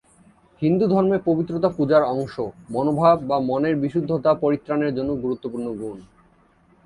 হিন্দুধর্মে পবিত্রতা পূজার অংশ, মনোভাব বা মনের বিশুদ্ধতা পরিত্রাণের জন্য গুরুত্বপূর্ণ গুণ।